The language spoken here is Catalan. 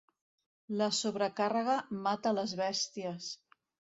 La sobrecàrrega mata les bèsties.